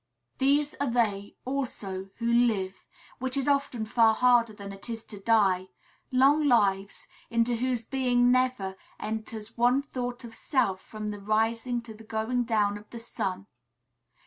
These are they, also, who live, which is often far harder than it is to die, long lives, into whose being never enters one thought of self from the rising to the going down of the sun.